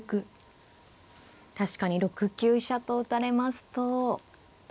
確かに６九飛車と打たれますと。